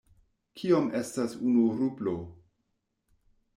Kiom estas unu rublo?